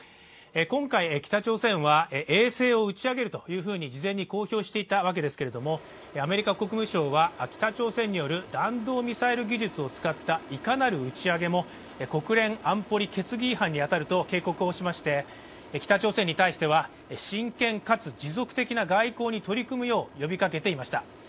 今回、北朝鮮は衛星を打ち上げると事前に公表していたわけですけども、アメリカ国務省は北朝鮮による弾道ミサイル技術を使ったいかなる打ち上げも国連安保決議違反に当たると警告をしまして、北朝鮮に対しては真剣かつ持続的な外交に取り組むよう呼びかけていました。